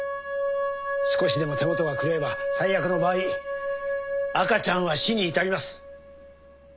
少しでも手元が狂えば最悪の場合赤ちゃんは死に至ります。